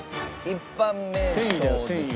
一般名称です。